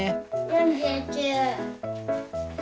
４９。